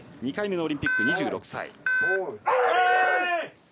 ２回目のオリンピック、２６歳。